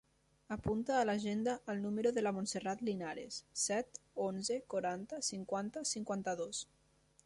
Apunta a l'agenda el número de la Montserrat Linares: set, onze, quaranta, cinquanta, cinquanta-dos.